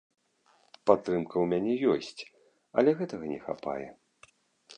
Падтрымка ў мяне ёсць, але гэтага не хапае.